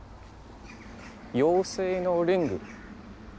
妖精のリング。